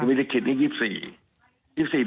มีลิขิตที่๒๔